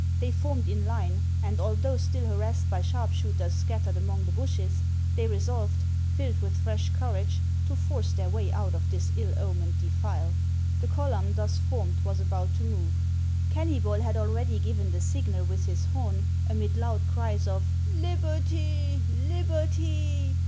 They formed in line, and although still harassed by sharpshooters scat tered among the bushes, they resolved, filled with fresh courage, to force their way out of this ill omened defile. The column thus formed was about to move ; Kennybol had already given the signal with his horn, amid loud cries of " Liberty ! liberty